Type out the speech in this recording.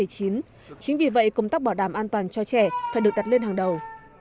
chính vì vậy công tác bảo đảm an toàn cho trẻ phải được đặt lên hàng đầu